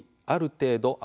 「ある程度」